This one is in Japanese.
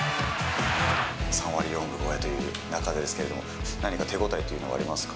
３割４分超えという中ですけれども、何か手応えというのはありますか。